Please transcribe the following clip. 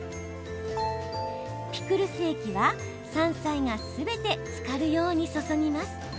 ピクルス液は、山菜がすべてつかるように注ぎます。